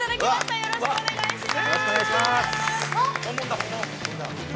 ◆よろしくお願いします。